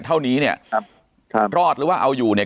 เท่านี้เนี่ยครับครับรอดหรือว่าเอาอยู่เนี่ย